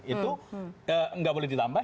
itu nggak boleh ditambah